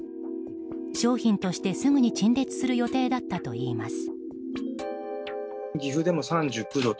商品としてすぐに陳列する予定だったといいます。